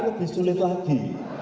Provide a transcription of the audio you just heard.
lebih sulit lagi